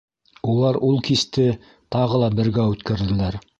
Улар ул кисте тағы ла бергә үткәрҙеләр.